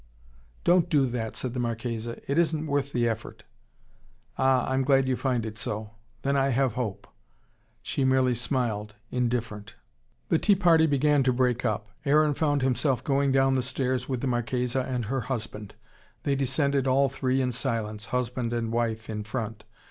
"Don't do that," said the Marchesa. "It isn't worth the effort." "Ah! I'm glad you find it so. Then I have hope." She merely smiled, indifferent. The teaparty began to break up Aaron found himself going down the stairs with the Marchesa and her husband. They descended all three in silence, husband and wife in front.